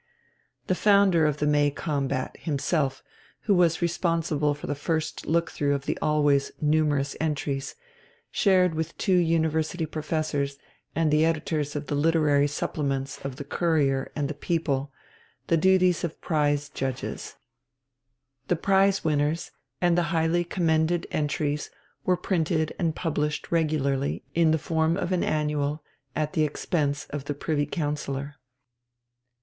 The founder of the "May combat" himself, who was responsible for the first look through the always numerous entries, shared with two University Professors and the editors of the literary supplements of the Courier and the People the duties of prize judges. The prize winners and the highly commended entries were printed and published regularly in the form of an annual at the expense of the Privy Councillor.